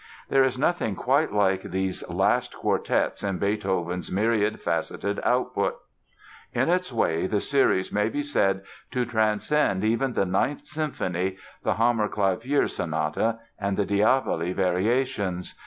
There is nothing quite like these "last quartets" in Beethoven's myriad faceted output. In its way the series may be said to transcend even the Ninth Symphony, the "Hammerklavier" Sonata, and the "Diabelli" Variations.